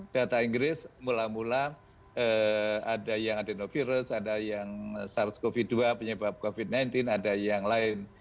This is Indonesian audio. data inggris mula mula ada yang adenovirus ada yang sars cov dua penyebab covid sembilan belas ada yang lain